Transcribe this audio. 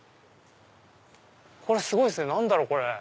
これすごいですね何だろう。